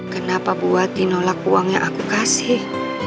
kenapa buati nolak uang yang aku kasih